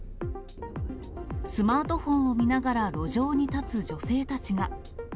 スマートフォンを見ながら路上に立つ女性たちが。